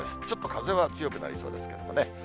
ちょっと風は強くなりそうですけれどもね。